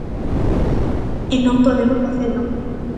E non podemos facelo.